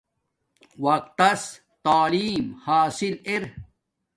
وقت تس تعیم حاصل ار